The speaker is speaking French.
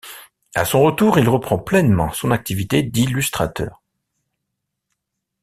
À son retour, il reprend pleinement son activité d'illustrateur.